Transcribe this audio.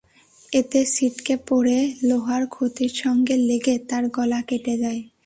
এতে ছিটকে পড়ে লোহার খুঁটির সঙ্গে লেগে তাঁর গলা কেটে যায়।